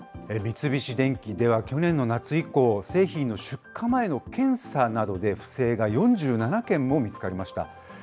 三菱電機では、去年の夏以降、製品の出荷前の検査などで、不正が４７件も見つかりました。